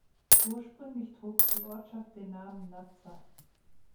Ursprünglich trug die Ortschaft den Namen Nazza.